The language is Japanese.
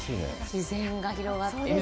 自然が広がってる。